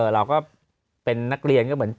เราก็เป็นนักเรียนก็เหมือน